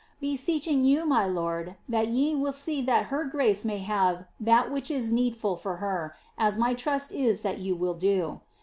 BeseccLing you, my lord, that ye will see that her grace may have that which is needful Ibr her, as my trust is that ye will do.